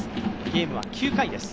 ゲームは９回です。